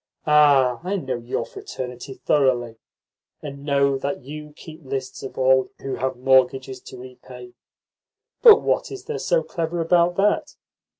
Ah, I know your fraternity thoroughly, and know that you keep lists of all who have mortgages to repay. But what is there so clever about that?